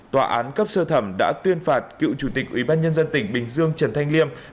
tòa án cấp sơ thẩm đã tuyên phạt cựu chủ tịch ủy ban nhân dân tỉnh bình dương trần thanh liêm